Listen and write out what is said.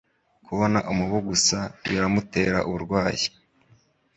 Kubona umubu gusa biramutera uburwayi.